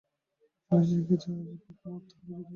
জীবনে সে কী চায়, আজও কি কুমুদ তাহা বুঝিতে পারে নাই?